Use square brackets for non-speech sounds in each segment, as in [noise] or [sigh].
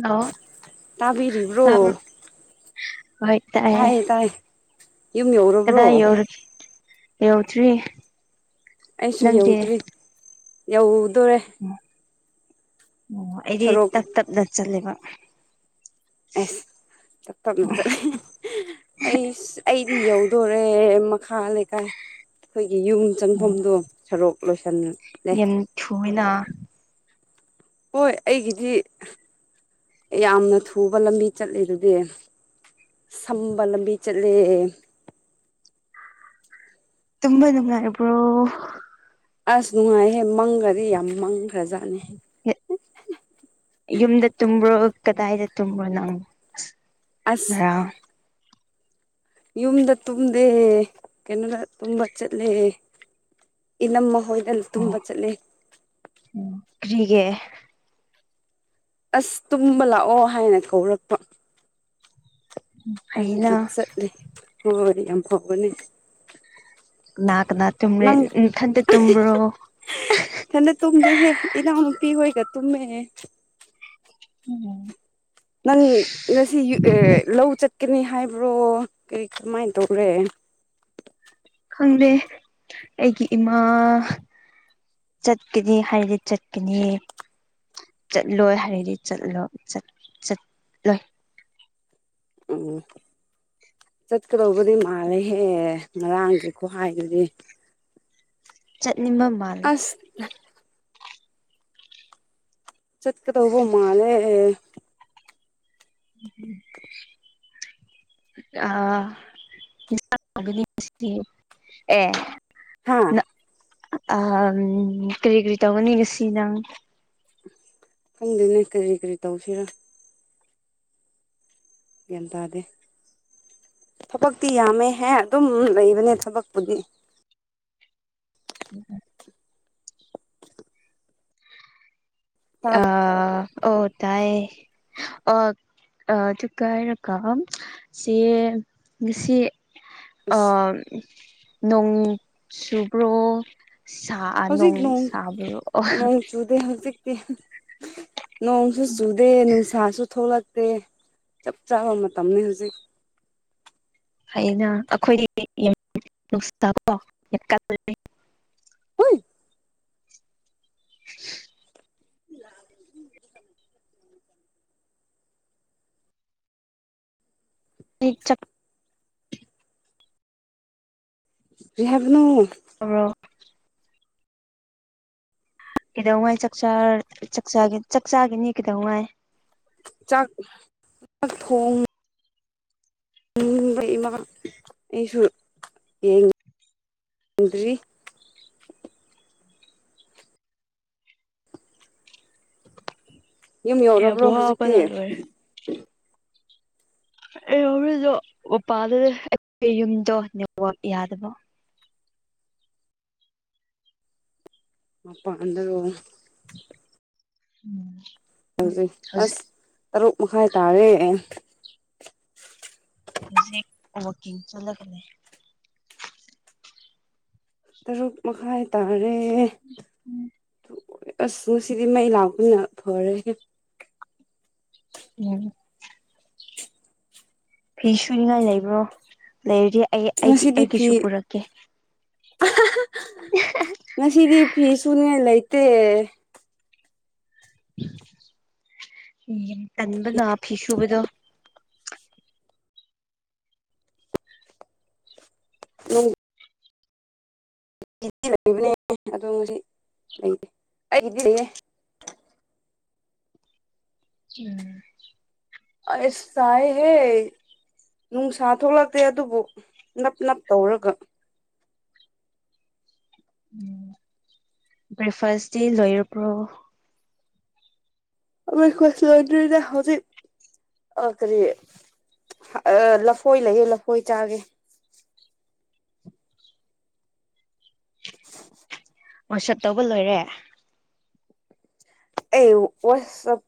ꯂꯥꯛꯑꯣ ꯇꯥꯕꯤꯔꯤꯕ꯭ꯔꯣ ꯇꯥꯕ꯭ꯔꯣ ꯍꯣꯏ ꯇꯥꯛꯑꯑꯦ ꯇꯥꯏꯌꯦ ꯇꯥꯏ ꯌꯨꯝ ꯌꯧꯔꯕ꯭ꯔꯣ ꯀꯗꯥꯏ ꯌꯧꯔ ꯌꯧ ꯊ꯭ꯔꯤ ꯑꯩꯁꯨ ꯌꯧꯗ꯭ꯔꯤ ꯌꯧꯗꯣꯔꯦ ꯎꯝ ꯑꯣ ꯑꯩꯗꯤ ꯁꯣꯔꯣꯛ ꯇꯞ ꯇꯞꯅ ꯆꯠꯂꯦꯕ ꯑꯦꯁ ꯇꯞ ꯇꯞꯅꯠꯇ ꯑꯩꯁꯨ ꯑꯩꯗꯤ ꯌꯧꯗꯣꯔꯦ ꯃꯈꯥ ꯂꯩꯀꯥꯏ ꯈꯣꯏꯒꯤ ꯌꯨꯝ ꯆꯪꯐꯝꯗꯣ ꯁꯣꯔꯣꯛ ꯂꯣꯏꯁꯟ ꯌꯝ ꯊꯨꯌꯦꯅꯥ ꯍꯣꯏ ꯑꯩꯒꯤꯗꯤ ꯌꯥꯝꯅ ꯊꯨꯕ ꯂꯝꯕꯤ ꯆꯠꯂꯤꯗꯨꯗꯤ ꯁꯝꯕ ꯂꯝꯕꯤ ꯆꯠꯂꯦ ꯇꯨꯝꯃ ꯅꯨꯉꯥꯏꯕ꯭ꯔꯣ ꯑꯁ ꯅꯨꯡꯉꯥꯏꯍꯦ ꯃꯪꯒꯗꯤ ꯌꯥꯝ ꯃꯪꯈ꯭ꯔꯖꯥꯠꯅꯤ ꯌꯨꯝꯗ ꯇꯨꯝꯕ꯭ꯔꯣ ꯀꯗꯥꯏꯗ ꯇꯨꯝꯕ꯭ꯔꯣ ꯅꯪ ꯑꯁ ꯑꯁ ꯉꯔꯥꯡ ꯌꯨꯝꯗ ꯇꯨꯝꯗꯦ ꯀꯩꯅꯣꯗ ꯇꯨꯝꯕ ꯆꯠꯂꯦ ꯏꯅꯝꯃ ꯍꯣꯏ ꯗꯜ ꯇꯨꯝꯕ ꯆꯠꯂꯦ ꯀ꯭ꯔꯤꯒꯤ ꯑꯁ ꯇꯨꯝꯕ ꯂꯥꯛꯑꯣ ꯍꯥꯏꯅ ꯀꯧꯔꯛꯄ ꯎꯝ ꯑꯗꯨꯒꯤ ꯆꯠꯂꯤ ꯍꯣꯏ ꯌꯥꯝ ꯐꯕꯅꯦ ꯀꯅꯥ ꯀꯅꯥꯇꯨꯝ꯭ꯔꯦ ꯅꯊꯟꯇ ꯇꯨꯝꯕ꯭ꯔꯣ ꯊꯟꯗ ꯇꯨꯝꯗꯦꯍꯦ ꯏꯅꯥꯎꯅꯨꯄꯤ ꯍꯣꯏꯒ ꯇꯨꯝꯃꯦ ꯎꯝ ꯅꯪ ꯉꯁꯤ ꯑꯦ ꯂꯧ ꯆꯠꯀꯅꯤ ꯍꯥꯏꯕ꯭ꯔꯣ ꯀꯩ ꯀꯃꯥꯏꯅ ꯇꯧꯔꯦ ꯈꯪꯗꯦ ꯑꯩꯒꯤ ꯏꯃꯥ ꯆꯠꯀꯅꯤ ꯍꯥꯏꯔꯗꯤ ꯆꯠꯀꯅꯤ ꯆꯠꯂꯣꯏ ꯍꯥꯏꯔꯗꯤ ꯆꯠꯂꯣ ꯆꯠ-ꯆꯠꯂꯣꯏ ꯎꯝ ꯆꯠꯀꯗꯧꯕꯗꯤ ꯃꯥꯜꯂꯦꯍꯦ ꯉꯔꯥꯡꯒꯤ ꯈꯨꯍꯥꯏꯗꯨꯗꯤ ꯆꯠꯅꯤꯡꯕ ꯃꯥ ꯑꯁ ꯆꯠꯀꯗꯧꯕ ꯃꯥꯜꯂꯦ [inaudible] ꯑ [unintelligible] ꯍꯥꯎꯒꯅꯤ ꯉꯁꯤꯗꯤ ꯑꯦ ꯍꯥ ꯅ ꯑꯝ ꯀꯔꯤ ꯀꯔꯤ ꯇꯧꯒꯅꯤ ꯉꯁꯤ ꯅꯪ ꯈꯪꯗꯦꯅꯦ ꯀꯔꯤ ꯀꯔꯤ ꯇꯧꯁꯤꯔ ꯒ꯭ꯌꯥꯟ ꯇꯥꯗꯦ ꯊꯕꯛꯇꯤ ꯌꯥꯝꯃꯦ ꯍꯦ ꯑꯗꯨꯝ ꯂꯩꯕꯅꯦ ꯊꯕꯛꯄꯨꯗꯤ ꯎꯝ ꯑ ꯇꯥꯕ ꯑꯣ ꯇꯥꯏꯌꯦ ꯑꯣ ꯑꯗꯨꯒ ꯍꯥꯏꯔꯒꯝ ꯁꯤ ꯉꯁꯤ ꯑꯁ ꯑꯥ ꯅꯣꯡ ꯆꯨꯕ꯭ꯔꯣ ꯁꯥ ꯅꯣꯡ ꯁꯥꯕ꯭ꯔꯣ ꯅꯣꯡ ꯆꯨꯗꯦ ꯍꯧꯖꯤꯛꯇꯤ ꯅꯣꯡꯁꯨ ꯆꯨꯗꯦ ꯅꯨꯡꯁꯥꯁꯨ ꯊꯣꯛꯂꯛ ꯇꯦ ꯆꯞ ꯆꯥꯕ ꯃꯇꯝꯅꯤ ꯍꯧꯖꯤꯛ ꯐꯩꯅꯥ ꯑꯩꯈꯣꯏꯗꯤ ꯅꯨꯡꯁꯥꯕꯣ ꯌꯥꯝ ꯀꯜꯂꯤ ꯍꯨꯏ ꯔꯤꯆꯛ ꯔꯤ ꯍꯥꯏꯕꯅꯣ ꯇꯥꯕ꯭ꯔꯣ ꯀꯩꯗꯧꯉꯥꯏ ꯆꯛ ꯆꯥꯔ ꯆꯥꯛꯆꯥꯒ ꯆꯥꯛꯆꯥꯥꯒꯤꯅꯤ ꯀꯩꯗꯧꯉꯥꯏ ꯆꯥꯛ ꯆꯥꯛ ꯊꯣꯡ ꯏ ꯏꯃꯥ ꯕꯞ ꯑꯩꯁꯨ ꯌꯦꯡꯗ꯭ꯔꯤ ꯌꯨꯝ ꯌꯥꯝ ꯌꯧꯔꯕ꯭ꯔꯣ ꯍꯧꯖꯤꯛꯇꯤ ꯋꯥꯕꯅ ꯂꯣꯏꯔꯦ ꯑꯦꯌꯧꯕꯤꯗꯣ ꯃꯄꯥꯗꯨꯗꯤ ꯑꯩ ꯌꯨꯝꯗꯣ ꯅꯦꯠꯋꯥꯔꯛ ꯌꯥꯗꯕ ꯃꯄꯥꯟꯗꯔꯣ ꯎꯝ ꯍꯧꯖꯤꯛ ꯑꯁ ꯍꯧꯖꯤꯛ ꯇꯔꯨꯛ ꯃꯈꯥꯏ ꯇꯥꯔꯦ ꯍꯧꯖꯤꯛ ꯋꯥꯀꯤꯡ ꯆꯠꯂꯒꯅꯦ ꯇꯔꯨꯛ ꯃꯈꯥꯏ ꯇꯥꯔꯦ ꯑꯁ ꯉꯁꯤꯗꯤ ꯃꯩ ꯂꯥꯛꯄꯅ ꯐꯔꯦꯍꯦ ꯎꯝ ꯐꯤ ꯁꯨꯅꯤꯉꯥꯏ ꯂꯩꯕ꯭ꯔꯣ ꯂꯩꯔꯗꯤ ꯑꯩ ꯑꯩꯒꯤ ꯉꯁꯤꯗꯤ ꯐꯤ ꯑꯩꯒꯤꯁꯨ ꯄꯨꯔꯛꯀꯦ [unintelligible] ꯉꯁꯤꯗꯤ ꯐꯤ ꯁꯨꯅꯤꯉꯥꯏ ꯂꯩꯇꯦ ꯌꯥ ꯇꯟꯕꯅ ꯐꯤ ꯁꯨꯕꯗꯣ ꯨꯅꯨꯡ ꯑꯩꯗꯤ ꯂꯩꯕꯅꯦ ꯑꯗꯣ ꯉꯁꯤ ꯂꯩꯇꯦ ꯑꯩꯒꯤꯗꯤ ꯂꯩꯌꯦ ꯎꯝ ꯑꯩꯁ ꯇꯥꯏꯌꯦꯍꯦ ꯅꯨꯡꯁꯥ ꯊꯣꯛꯂꯛꯇꯦ ꯑꯗꯨꯕꯨ ꯅꯞ ꯅꯞ ꯇꯧꯔꯒ ꯎꯝ ꯕ꯭ꯔꯦꯛꯐꯥꯁꯗꯤ ꯂꯣꯏꯔꯕ꯭ꯔꯣ ꯕ꯭ꯔꯦꯛꯐꯥꯁ ꯂꯣꯏꯗ꯭ꯔꯤꯗꯥ ꯍꯧꯖꯤꯛ ꯑꯥ ꯀꯔꯤ ꯑ ꯑ ꯂꯐꯣꯏ ꯂꯩꯌꯦ ꯂꯐꯣꯏ ꯆꯥꯒꯦ ꯑꯣꯁꯠ ꯇꯧꯕ ꯂꯣꯏꯔꯦ ꯑꯩ ꯋꯥꯠꯁ ꯆꯞ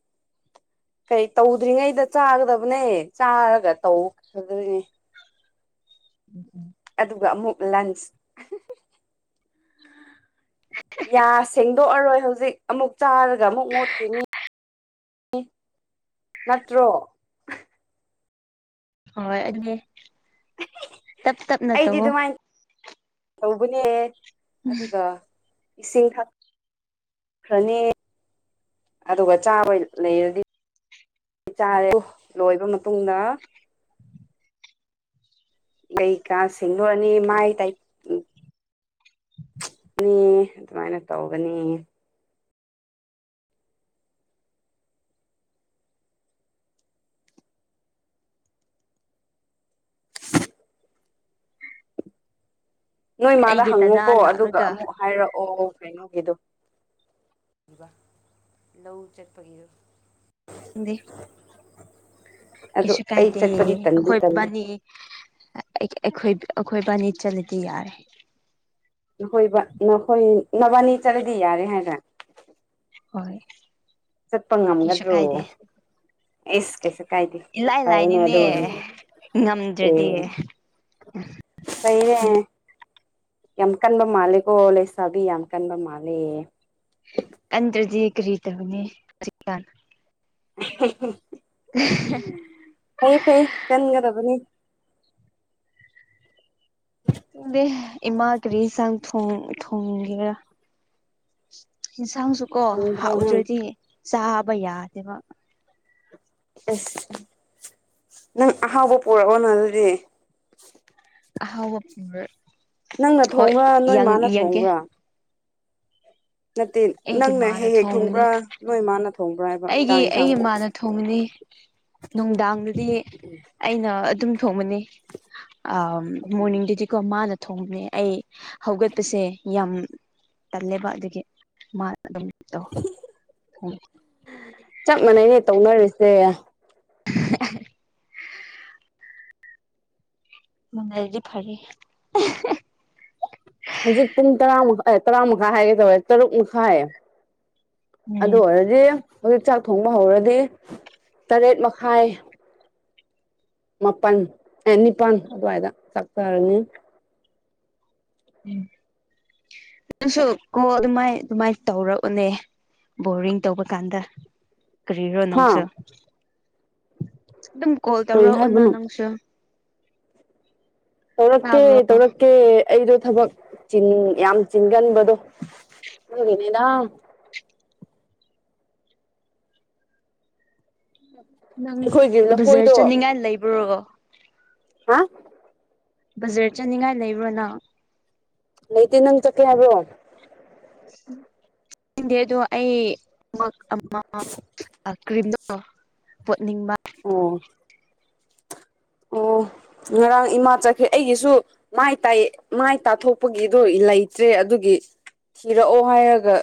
ꯀꯩ ꯇꯧꯗ꯭ꯔꯤꯉꯩꯗ ꯆꯥꯒꯗꯕꯅꯦ ꯆꯥꯔꯒ ꯇꯧꯒꯗꯣꯏꯅꯦ ꯎꯝ ꯎꯝ ꯑꯗꯨꯒ ꯑꯃꯨꯛ ꯂꯟꯁ ꯌꯥꯁꯦꯡ ꯇꯣꯛꯑꯔꯣꯏ ꯍꯧꯖꯤꯛ ꯑꯃꯨꯛ ꯆꯥꯔꯒ ꯑꯃꯨꯛ ꯃꯣꯠꯈꯤꯅꯤ ꯅꯤ ꯅꯠꯇ꯭ꯔꯣ ꯍꯣꯏ ꯑꯗꯨꯅꯦ ꯇꯞ ꯇꯞꯅ ꯑꯩꯗꯤ ꯇꯧꯋꯣ ꯑꯗꯨꯃꯥꯏꯟ ꯇꯧꯕꯅꯦ ꯑꯗꯨꯒ ꯏꯁꯤꯡ ꯊꯛ ꯈ꯭ꯔꯅꯤ ꯑꯗꯨꯒ ꯆꯥꯕ ꯂꯩꯔꯗꯤ ꯆꯥꯔꯦ ꯂꯣꯏꯕ ꯃꯇꯨꯡꯗ ꯂꯩ ꯀ ꯁꯦꯡꯗꯣꯛꯑꯅꯤ ꯃꯥꯥꯏ ꯇꯩ ꯅꯤ ꯑꯗꯨꯃꯥꯏꯅ ꯇꯧꯒꯅꯤ ꯅꯣꯏ ꯃꯥꯗ ꯑꯩꯒꯤ ꯗꯗꯥ ꯍꯪꯉꯨꯀꯣ ꯑꯗꯨꯒ ꯂꯥꯛꯂꯒ ꯑꯃꯨꯛ ꯍꯥꯏꯔꯛꯑꯣ ꯀꯩꯅꯣꯒꯤꯗꯣ ꯂꯧ ꯆꯠꯄꯒꯤꯗꯣ [unintelligible] ꯑꯗꯨ ꯀꯩꯁꯨ ꯑꯩ ꯀꯥꯏꯗꯦ ꯆꯠꯄꯗꯤ ꯇꯟꯗꯤ ꯇꯜꯂꯤ ꯑꯩꯈꯣꯏꯕꯥꯅꯤ ꯑꯩꯈꯣꯏ ꯑꯩꯈꯣꯏꯕꯥꯅꯤ ꯆꯠꯂꯗꯤ ꯌꯥꯔꯦ ꯅꯈꯣꯏ -ꯅꯈꯣꯏ ꯅꯕꯥꯅꯤ ꯆꯠꯂꯗꯤ ꯌꯥꯔꯦ ꯍꯥꯏꯗ꯭ꯔꯥ ꯍꯣꯏ ꯆꯠꯄ ꯀꯩꯁꯨ ꯉꯝꯒꯗ꯭ꯔꯣ ꯀꯥꯏꯗꯦ ꯑꯩꯁ ꯀꯩꯁꯨ ꯀꯥꯏꯗꯦ ꯏꯂꯥꯏ ꯐꯔꯦꯅꯦ ꯂꯥꯏꯅꯤꯅꯦ ꯑꯗꯨꯕꯨꯗꯤ ꯉꯝꯗ꯭ꯔꯗꯤ ꯇꯩꯔꯦ ꯌꯥꯝ ꯀꯟꯕ ꯃꯥꯂꯦꯀꯣ ꯂꯩꯁꯥꯕꯤ ꯌꯥꯝ ꯀꯟꯕ ꯃꯥꯜꯂꯦ ꯀꯟꯗ꯭ꯔꯗꯤ ꯀꯔꯤ ꯇꯧꯅꯤ ꯍꯧꯍꯤꯛꯀꯥꯟ [unintelligible] [unintelligible] ꯐꯩ ꯐꯩ ꯀꯟꯒꯗꯕꯅꯤ ꯈꯪꯗꯦ ꯏꯃꯥ ꯀꯔꯤ ꯌꯦꯟꯁꯥꯡ ꯊꯣꯡ -ꯊꯣꯡꯒꯦꯔꯥ ꯌꯦꯟꯁꯥꯡꯁꯨꯀꯣ ꯐꯪꯗ꯭ꯔꯣ ꯅꯪ ꯍꯥꯎꯇꯔꯥꯗꯤ ꯆꯥꯕ ꯌꯥꯗꯦꯕ ꯑꯁ ꯅꯪ ꯑꯍꯥꯎꯕ ꯄꯨꯔꯛꯑꯣꯅ ꯑꯗꯨꯗꯤ ꯑꯍꯥꯎꯕ ꯄꯨꯔꯛ ꯅꯪꯅ ꯍꯣꯏ ꯊꯣꯡꯕ꯭ꯔꯥ ꯅꯣꯏ ꯃꯥꯅ ꯌꯦꯡꯒꯦ ꯊꯣꯡꯕ꯭ꯔꯥ ꯅꯠꯇꯦ ꯑꯩꯒꯤ ꯅꯪꯅ ꯃꯥꯅ ꯍꯦꯛ ꯍꯦꯛ ꯊꯣꯡꯕꯅꯦ ꯊꯣꯡꯕ꯭ꯔꯥ ꯅꯣꯏ ꯃꯥꯅ ꯊꯣꯡꯕ꯭ꯔꯥ ꯍꯥꯏꯕ ꯆꯥꯛ ꯌꯦꯟꯁꯥꯡꯕꯨ ꯊꯣꯡꯒꯅꯤ ꯅꯨꯡꯗꯥꯡꯗꯗꯤ ꯑꯩꯅ ꯑꯗꯨꯝ ꯊꯣꯡꯕꯅꯤ ꯑꯥꯞ ꯃꯣꯔꯅꯤꯡꯗꯨꯗꯤꯀꯣ ꯃꯥꯅ ꯊꯣꯡꯕꯅꯦ ꯑꯩ ꯍꯧꯒꯠꯄꯁꯦ ꯌꯥꯝ ꯇꯜꯂꯦꯕ ꯑꯗꯨꯒꯤ ꯃꯥ ꯑꯗꯨꯝ ꯇꯧ ꯍꯣꯏ ꯆꯞ ꯃꯥꯟꯅꯩꯅꯦ ꯇꯧꯅꯔꯤꯁꯦ [unintelligible] ꯃꯥꯟꯅꯔꯗꯤ ꯐꯔꯦ ꯍꯧꯖꯤꯛ ꯄꯨꯡ ꯇꯔꯥ ꯇꯔꯥꯃꯥꯏ ꯍꯥꯏꯒꯦ ꯇꯧꯋꯦ ꯇꯔꯨꯛ ꯃꯈꯥꯏ ꯎꯝ ꯑꯗꯨ ꯑꯣꯏꯔꯗꯤ ꯍꯧꯖꯤꯛ ꯆꯥꯛ ꯊꯣꯡꯕ ꯍꯧꯔꯗꯤ ꯇꯔꯦꯠ ꯃꯈꯥꯏ ꯃꯥꯄꯜ ꯑꯦ ꯅꯤꯄꯥꯜ ꯑꯗꯨꯋꯥꯏꯗ ꯆꯥꯛ ꯆꯥꯔꯅꯤ ꯎꯝ ꯅꯪꯁꯨ ꯀꯣ ꯑꯗꯨꯃꯥꯏ ꯑꯗꯨꯃꯥꯏꯅ ꯇꯧꯔꯛꯎꯅꯦ ꯕꯣꯔꯤꯡ ꯇꯧꯕ ꯀꯥꯟꯗ ꯀꯔꯤꯔꯣ ꯍꯥ ꯅꯪꯁꯨ ꯑꯗꯨꯝ ꯀꯣꯜ ꯀꯔꯤ ꯇꯧꯔꯛꯑꯣꯅ ꯍꯥꯏꯕꯅꯣ ꯅꯪꯁꯨ ꯇꯧꯔꯛꯀꯦ ꯇꯥꯕ꯭ꯔꯣ ꯇꯧꯔꯛ ꯀꯦ ꯑꯩꯗꯣ ꯊꯕꯛ ꯆꯤꯟ ꯌꯥꯝ ꯆꯤꯟꯒꯟꯕꯗꯣ ꯑꯗꯨꯒꯤꯅꯤꯗ ꯅꯪ ꯑꯩꯈꯣꯏꯒꯤ ꯕꯖꯥꯔ ꯂꯐꯣꯏꯗꯣ ꯆꯠꯅꯤꯡꯉꯥꯏ ꯂꯩꯕꯔꯣ ꯍꯥ ꯕꯖꯥꯔ ꯆꯠꯅꯤꯡꯉꯥꯏ ꯂꯩꯕ꯭ꯔꯣ ꯅꯪ ꯂꯩꯇ ꯅꯪ ꯆꯠꯀꯦ ꯍꯥꯏꯕ꯭ꯔꯣ [unintelligible] ꯑꯗꯣ ꯑꯩ ꯃꯛ ꯑꯃ ꯀ꯭ꯔꯤꯝꯗꯣ ꯄꯣꯠꯅꯤꯡꯕ ꯑꯣ ꯑꯣ [inaudible] ꯉꯔꯥꯡ ꯏꯃꯥ ꯆꯠꯈ꯭ꯔꯦ ꯑꯩꯒꯤꯁꯨ ꯃꯥꯏ ꯇ ꯃꯥꯏ ꯇꯥꯊꯣꯛꯄꯒꯤꯗꯣ ꯂꯩꯇ꯭ꯔꯦ ꯑꯗꯨꯒꯤ ꯊꯤꯔꯛꯑꯣ ꯍꯥꯏꯔꯒ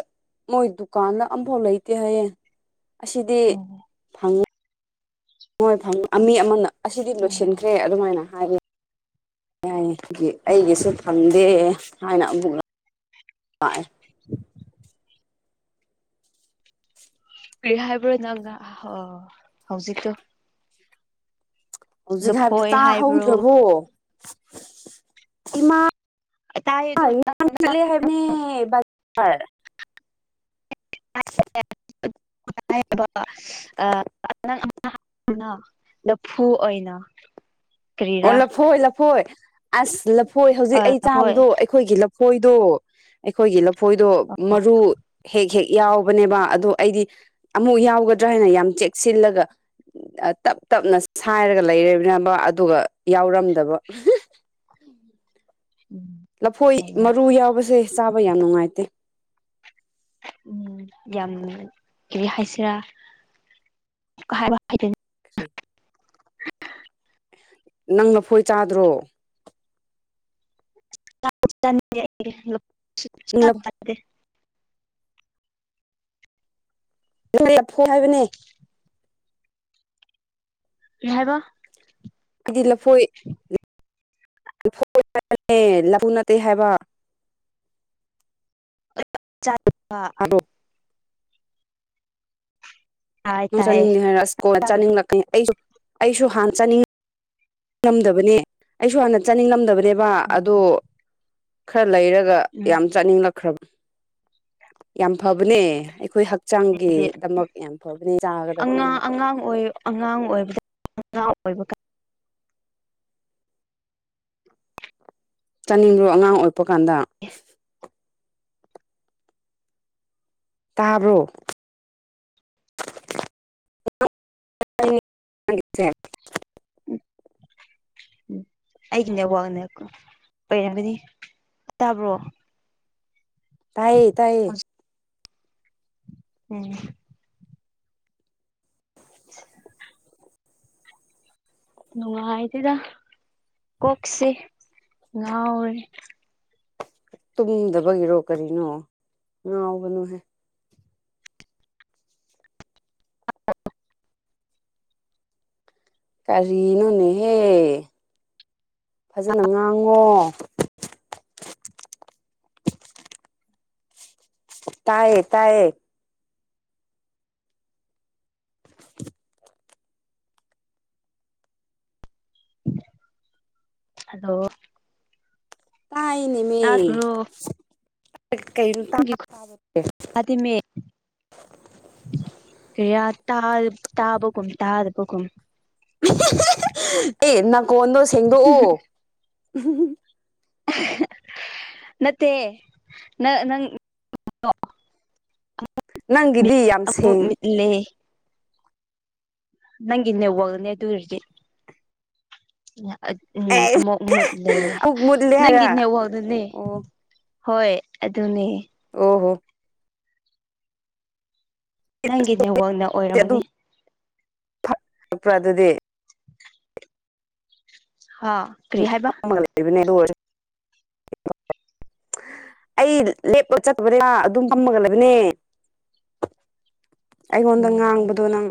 ꯃꯣꯏ ꯗꯨꯀꯥꯟꯗ ꯑꯃꯐꯥꯎ ꯂꯩꯇꯦ ꯍꯥꯏꯌꯦ ꯑꯁꯤꯗꯤ ꯐꯪꯉꯤ ꯃꯣꯏ ꯐꯪ ꯃꯤ ꯑꯃꯅ ꯑꯁꯤꯗꯤ ꯂꯣꯏꯁꯤꯟꯈ꯭ꯔꯦ ꯑꯗꯨꯃꯥꯏꯅ ꯍꯥꯏ ꯌꯥꯏ ꯑꯩꯒꯤꯁꯨ ꯐꯪꯗꯦ ꯍꯥꯏꯅ ꯑꯃꯨꯛ ꯂꯛ ꯍꯥꯏ ꯀꯔꯤ ꯍꯥꯏꯕ꯭ꯔꯣ ꯅꯪꯅ ꯍꯧꯖꯤꯛꯇꯣ ꯍꯧꯖꯤꯛ ꯍꯥꯏꯕꯗꯣ ꯂꯨꯐꯣꯏ ꯍꯥꯏꯕ꯭ꯔꯣ ꯇꯍꯧꯗ꯭ꯔꯕꯣ ꯏꯃꯥ ꯇꯥꯏ ꯑꯗꯨ ꯌꯥꯝ ꯆꯠꯂꯦ ꯍꯥꯏꯕꯅꯦ ꯕꯔꯥꯕꯔ ꯍꯥꯏꯌꯦꯕ ꯑꯥ ꯅ ꯂꯐꯨ ꯑꯣꯏꯅ ꯑꯣ ꯀꯔꯤꯔꯥ ꯂꯐꯣꯏ ꯂꯐꯣꯏ ꯑꯁ ꯂꯐꯣꯏ ꯍꯧꯖꯤꯛ ꯑꯩ ꯍꯣꯏ ꯆꯥꯕꯗꯣ ꯑꯩꯈꯣꯏꯒꯤ ꯂꯐꯣꯏꯗꯣ ꯑꯩꯈꯣꯏꯒꯤ ꯂꯐꯣꯏꯗꯣ ꯃꯔꯨ ꯍꯦꯛ ꯍꯦꯛ ꯌꯥꯎꯕꯅꯦꯕ ꯑꯗꯣ ꯑꯩꯗꯤ ꯑꯃꯨꯛ ꯌꯥꯎꯒꯗ꯭ꯔꯥ ꯍꯥꯏꯅ ꯌꯥꯝ ꯆꯦꯛꯁꯤꯜꯂꯒ ꯇꯞ ꯇꯞꯅ ꯁꯥꯏꯔꯒ ꯂꯩꯔꯕꯅꯧꯕ ꯑꯗꯨꯒ ꯌꯥꯎꯔꯝꯗꯕ ꯎꯝ ꯂꯐꯣꯏ ꯑꯩꯅ ꯃꯔꯨ ꯌꯥꯎꯕꯁꯦ ꯆꯥꯕ ꯌꯥꯝ ꯅꯨꯡꯉꯥꯏꯇꯦ ꯎꯝ ꯌꯥꯝ ꯀꯔꯤ ꯍꯥꯏꯁꯤꯔꯥ ꯍꯥꯏꯕ ꯍꯩꯇꯦꯅꯦ [inaudible] [inaudible] ꯅꯪ ꯂꯐꯣꯏ ꯆꯥꯗ꯭ꯔꯣ ꯆꯥꯁꯨ ꯆꯥꯅꯤꯡꯗꯦ ꯑꯩꯗꯤ ꯂꯐꯣꯏ ꯁꯨꯡꯆꯥ ꯆꯥꯅꯤꯡꯗꯦ ꯅꯪꯗꯤ ꯂꯐꯣꯏ ꯍꯥꯏꯕꯅꯦ ꯀꯩ ꯍꯥꯏꯕ ꯑꯩꯗꯤ ꯂꯐꯣꯏ [inaudible] ꯂꯐꯣꯏ ꯍꯥꯏꯕꯅꯦ ꯂꯐꯨ ꯅꯠꯇꯦ ꯍꯥꯏꯕ ꯆꯠꯄ ꯊꯗꯣꯛ ꯍꯥꯏ ꯅꯨꯡ ꯇꯥꯏꯌꯦ ꯆꯥꯅꯤꯡꯗꯦ ꯍꯥꯏꯔꯛ ꯑꯁ ꯀꯣꯟꯅ ꯆꯥꯗꯕ ꯆꯥꯅꯤꯡꯂꯛꯀꯅꯤ ꯑꯩꯁꯨ ꯑꯩꯁꯨ ꯍꯥꯟ ꯆꯥꯅꯤꯡ ꯆꯥꯅꯤꯡꯉꯝꯗꯕꯅꯦ ꯑꯩꯁꯨ ꯍꯥꯟꯅ ꯆꯥꯅꯤꯡꯂꯝꯗꯕꯅꯦꯕ ꯎꯝ ꯑꯗꯣ ꯈꯔ ꯂꯩꯔꯒ ꯑꯗꯨꯒ ꯌꯥꯝ ꯆꯥꯅꯤꯡꯂꯛꯈ꯭ꯔꯕ ꯌꯥꯝ ꯐꯕꯅꯦ ꯑꯩꯈꯣꯏ ꯍꯛ ꯍꯥꯏꯗꯤ ꯍꯛꯆꯥꯡꯒꯤꯗꯃꯛ ꯌꯥꯝ ꯐꯕꯅꯤ ꯆꯥꯒꯗꯕꯅꯤ ꯑꯉꯥꯡ ꯑꯉꯥꯡ ꯑꯣꯏ ꯑꯉꯥꯡ ꯑꯣꯏꯕꯗ ꯑꯉꯥꯡ ꯑꯣꯏꯕꯀꯣ ꯆꯥꯅꯤꯡꯕ꯭ꯔꯣ ꯑꯉꯥꯡ ꯑꯣꯏꯕ ꯀꯥꯟꯗ ꯇꯕꯔꯣ ꯦ [inaudible] ꯎꯝ ꯑꯩꯒꯤꯅꯦ ꯅꯦꯠꯋꯥꯛꯅ ꯑꯣꯏꯔꯝꯒꯅꯤ ꯇꯥꯕ꯭ꯔꯣ ꯇꯥꯏꯌꯦ ꯇꯥꯏꯌꯦ ꯍꯧꯖꯤꯛ ꯎꯝ [inaudible] ꯅꯨꯡꯉꯥꯏꯇꯦꯗ ꯀꯣꯛꯁꯦ ꯉꯥꯎꯔꯦ ꯇꯨꯝꯗꯕꯒꯤꯔꯣ ꯀꯔꯤꯅꯣ ꯉꯥꯎꯒꯅꯨꯍꯦ ꯀꯔꯤꯅꯣꯅꯦꯍꯦ ꯐꯥꯖꯅ ꯉꯥꯡꯉꯣ ꯇꯥꯏꯌꯦ ꯇꯥꯏꯌꯦ ꯍꯜꯂꯣ ꯇꯥꯏꯅꯦꯃꯦ ꯇꯥꯗ꯭ꯔꯣ ꯀꯩꯅꯣ ꯇꯥꯕ꯭ꯔꯥ ꯇꯥꯕ꯭ꯔꯥ [unintelligible] ꯇꯥꯗꯦ ꯃꯦ ꯀꯌꯥꯥ ꯇꯥꯕꯒꯨꯝ ꯇꯥꯗꯕꯒꯨꯝ ꯑꯦ ꯅꯥꯀꯣꯟꯗꯣ ꯁꯦꯡꯗꯣꯛꯎ ꯅꯠꯇꯦ ꯅꯪ ꯅꯪ ꯅꯪꯒꯤꯗꯤ ꯌꯥꯝ ꯁꯦꯡ ꯂꯦ ꯅꯪꯒꯤ ꯅꯦꯠꯋꯥꯛꯅꯅꯦ ꯑꯗꯨ ꯑꯣꯏꯔꯗꯤ ꯑꯥ ꯎꯝ ꯑꯦ ꯑꯃꯨꯛ ꯃꯨꯠꯂꯦ ꯑꯃꯨꯛ ꯃꯨꯠꯂꯦ ꯅꯪꯒꯤ ꯍꯥꯏꯔ ꯅꯦꯠꯋꯥꯛꯅꯅꯦ ꯑꯣ ꯍꯣꯏ ꯑꯗꯨꯅꯦ ꯑꯣ ꯍꯣ ꯅꯪꯒꯤ ꯅꯦꯠꯋꯥꯛꯅ ꯑꯣꯏꯔꯝꯃꯅꯤ ꯐꯛꯄ꯭ꯔꯥ ꯑꯗꯨꯗꯤ ꯍꯥ ꯀꯔꯤ ꯍꯥꯏꯕ ꯑꯣꯏꯕꯅꯦ ꯑꯗꯨ ꯑꯣꯏꯁꯨ ꯑꯩ ꯂꯦꯞꯂ ꯆꯠꯄꯅꯦ ꯑꯗꯨꯝ ꯄꯝꯃꯒ ꯂꯩꯕꯅꯦ ꯑꯩꯉꯣꯟꯗ ꯑꯣ ꯉꯥꯡꯕꯗꯣ ꯅꯪ